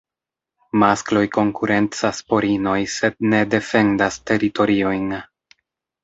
Maskloj konkurencas por inoj sed ne defendas teritoriojn.